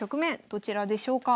どちらでしょうか？